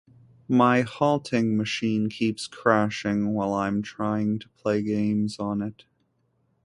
My halting machine keeps crashing while I’m trying to play games on it.